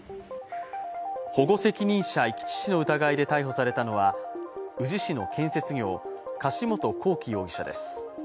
保護責任者遺棄致死の疑いで逮捕されたのは、宇治市の建設業、柏本光樹容疑者です。